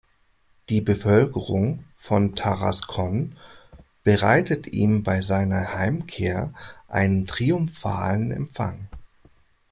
Die Bevölkerung von Tarascon bereitet ihm bei seiner Heimkehr einen triumphalen Empfang.